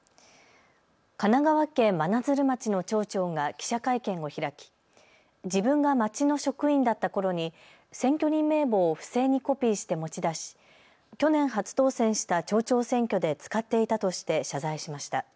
神奈川県真鶴町の町長が記者会見を開き自分が町の職員だったころに選挙人名簿を不正にコピーして持ち出し去年、初当選した町長選挙で使っていたとして謝罪しました。